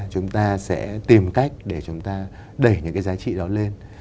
chúng ta sẽ tìm cách để chúng ta đẩy những cái giá trị đó lên